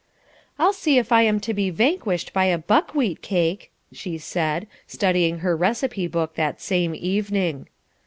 "I'll see if I am to be vanquished by a buckwheat cake," she said, studying her receipt book that same evening.